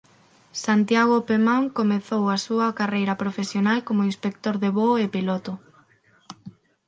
Santiago Pemán comezou a súa carreira profesional como inspector de voo e piloto.